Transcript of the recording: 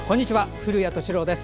古谷敏郎です。